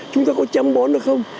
chúng ta có chăm bón được không